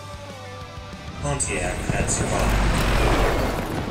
Pontiac had survived.